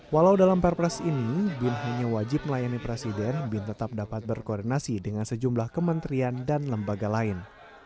walau dalam perpres ini bin hanya wajib melayani presiden bin tetap dapat berkoordinasi dengan sejumlah kementerian dan lembaga lain